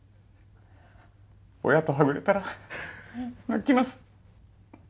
親とはぐれたら泣きます。